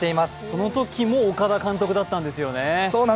そのときも岡田監督だったんですよね。